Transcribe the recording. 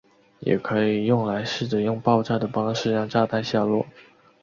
也可以用来试着用爆炸的方式让炸弹下落。